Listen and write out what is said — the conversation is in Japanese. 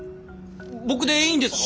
僕でいいんですか？